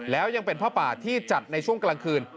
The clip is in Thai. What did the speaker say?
แล้วยังเป็นผ้าป่าที่จัดในช่วงกลางคืน